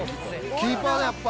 キーパーだ、やっぱ。